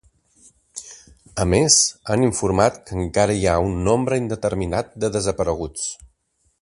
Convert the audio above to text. A més, han informat que encara hi ha ‘un nombre indeterminat de desapareguts’.